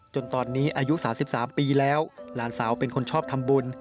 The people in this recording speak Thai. จนตอนนี้อายุ๓๓ปีแล้วหลานสาวเป็นคนชอบทำบุญ